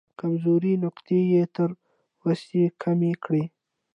کمزورې نقطې یې تر وسې کمې کړې.